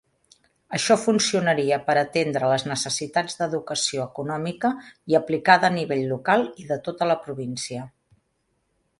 Això funcionaria per atendre les necessitats d'educació econòmica i aplicada a nivell local i de tota la província.